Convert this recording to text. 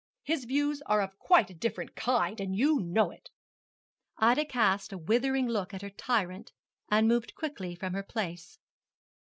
His views are of quite a different kind, and you know it.' Ida cast a withering look at her tyrant, and moved quickly from her place.